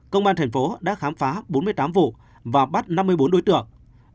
công an tp đã khám phá bốn mươi tám vụ và bắt năm mươi bốn đối tượng